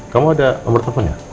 kamu ada nomor teleponnya